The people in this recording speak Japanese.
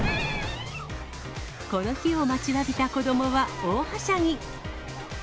この日を待ちわびた子どもは大はしゃぎ。